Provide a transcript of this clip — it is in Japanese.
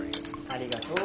ありがとう。